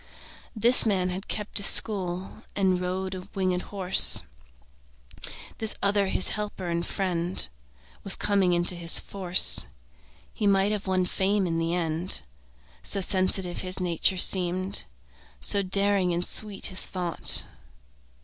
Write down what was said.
This man had kept a school And rode our winged horse. This other his helper and friend Was coming into his force; He might have won fame in the end, So sensitive his nature seemed, So daring and sweet his thought.